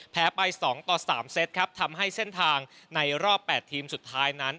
ไป๒ต่อ๓เซตครับทำให้เส้นทางในรอบ๘ทีมสุดท้ายนั้น